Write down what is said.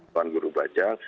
tuan guru bajang